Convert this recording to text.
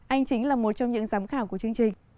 anh chính là một trong những giám khảo của chương trình